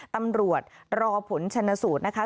ตำรวจรอผลชนสูตรนะคะ